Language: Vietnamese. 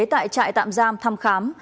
tại trại tạm giam tham khám